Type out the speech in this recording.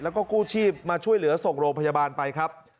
แล้วก็กู้ชีพมาช่วยเหลือส่งโรงพยาบาลไปครับ